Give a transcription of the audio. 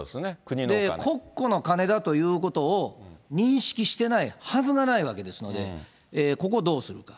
国庫の金だということを認識してないはずがないわけですよね、ここをどうするか。